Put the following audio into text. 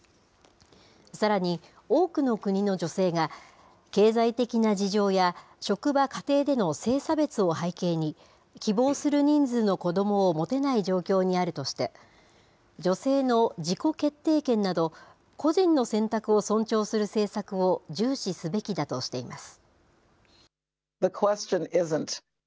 さらに、多くの国の女性が、経済的な事情や、職場・家庭での性差別を背景に、希望する人数の子どもを持てない状況にあるとして、女性の自己決定権など、個人の選択を尊重する政策を重視すべきだとしています。